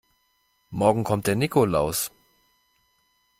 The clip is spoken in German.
Morgen kommt der Nikolaus.